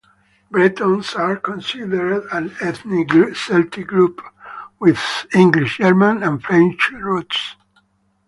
Bretons are considered an ethnic Celtic group with English, German and French roots.